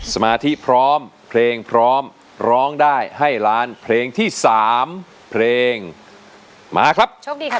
สมาธิพร้อมเพลงพร้อมร้องได้ให้ล้านเพลงที่๓เพลงมาครับ